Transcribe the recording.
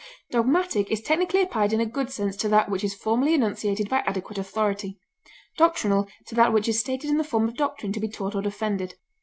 Dogmatic is technically applied in a good sense to that which is formally enunciated by adequate authority; doctrinal to that which is stated in the form of doctrine to be taught or defended.